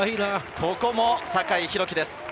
ここも酒井宏樹です。